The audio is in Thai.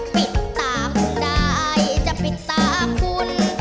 ติดตามได้จะปิดตาคุณ